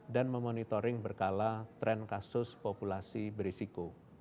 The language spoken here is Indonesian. dan memonitoring berkala tren kasus populasi berisiko